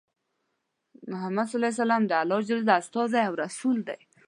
محمد ص د الله ج استازی او رسول دی.